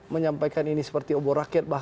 menyampaikan ini seperti obor rakyat